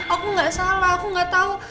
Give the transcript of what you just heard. aku gak salah aku gak tau